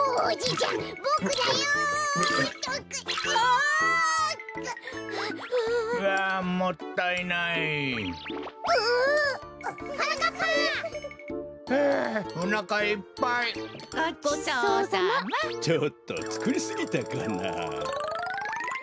ちょっとつくりすぎたかな。